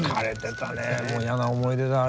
もうやな思い出だあれ。